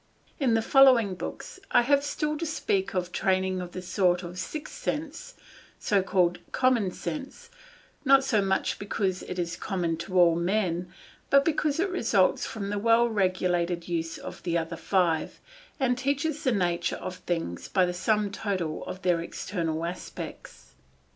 In the following books I have still to speak of the training of a sort of sixth sense, called common sense, not so much because it is common to all men, but because it results from the well regulated use of the other five, and teaches the nature of things by the sum total of their external aspects.